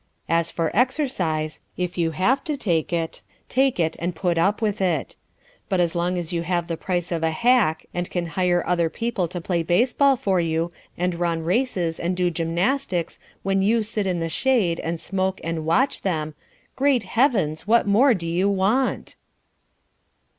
As for exercise, if you have to take it, take it and put up with it. But as long as you have the price of a hack and can hire other people to play baseball for you and run races and do gymnastics when you sit in the shade and smoke and watch them great heavens, what more do you want?